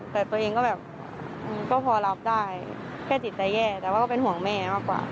เพราะแกก็รู้จักบ้านไม่รู้แกจะเข้าไปตอนไหน